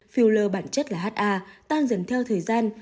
phi lơ bản chất là ha tan dần theo thời gian